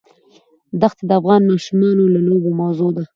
دښتې د افغان ماشومانو د لوبو موضوع ده.